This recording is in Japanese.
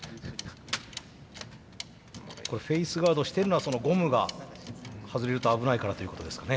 これフェースガードしてるのはゴムが外れると危ないからということですかね。